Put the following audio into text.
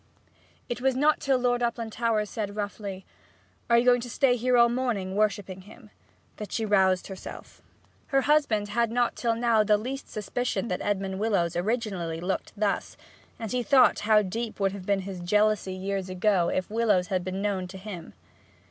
It was not till Lord Uplandtowers said roughly, 'Are you going to stay here all the morning worshipping him?' that she roused herself. Her husband had not till now the least suspicion that Edmond Willowes originally looked thus, and he thought how deep would have been his jealousy years ago if Willowes had been known to him.